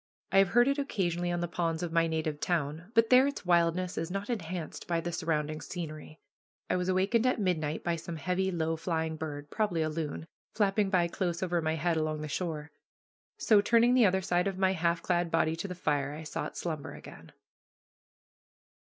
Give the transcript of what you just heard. I have heard it occasionally on the ponds of my native town, but there its wildness is not enhanced by the surrounding scenery. I was awakened at midnight by some heavy, low flying bird, probably a loon, flapping by close over my head along the shore. So, turning the other side of my half clad body to the fire, I sought slumber again.